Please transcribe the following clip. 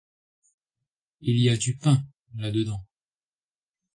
Il y a du pain, là-dedans!